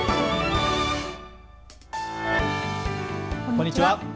こんにちは。